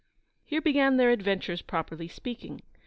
Here began their adventures, properly speaking.